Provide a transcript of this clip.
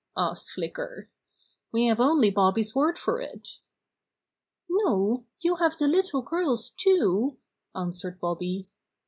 asked Flicker. "We have only Bobby's word for it." "No, you have the little girl's too," answered Bobby.